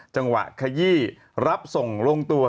จังหวะขยี้รับส่งลงตัว